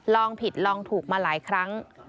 ลองผิดลองถูกมาหลายครั้ง